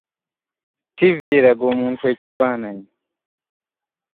Ttivi eraga omuntu ekifaananyi.